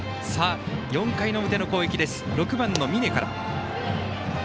４回表の攻撃６番の峯から。